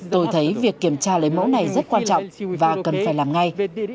tôi thấy việc kiểm tra lấy mẫu này rất quan trọng và cần phải làm ngay